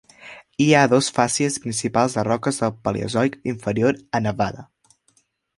Hi ha dos fàcies principals de roques del Paleozoic inferior a Nevada.